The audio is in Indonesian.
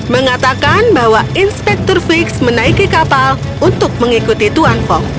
mengatakan bahwa inspektur fix menaiki kapal untuk mengikuti tuan fog